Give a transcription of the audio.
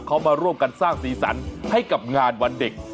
เขามาร่วมกันสร้างสีสันให้กับงานวันเด็ก